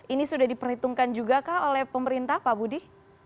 ini sudah diperhitungkan juga kah oleh pemerintah pak budi